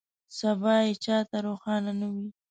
سبا یې چا ته روښانه نه وي.